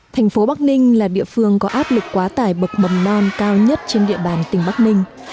thành phố bắc ninh là địa phương có áp lực quá tải bậc mầm non cao nhất trên địa bàn tỉnh bắc ninh